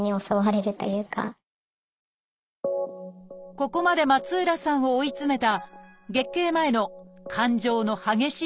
ここまで松浦さんを追い詰めた月経前の感情の激しい起伏。